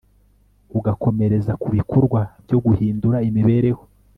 ugakomereza ku bikorwa byo guhindura imibereho